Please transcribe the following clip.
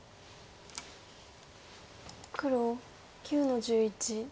黒９の十一ツギ。